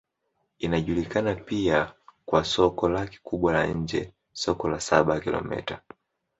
Inajulikana pia kwa soko lake kubwa la nje, Soko la Saba-Kilomita.